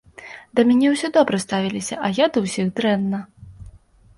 Да мяне ўсе добра ставіліся, а я да ўсіх дрэнна.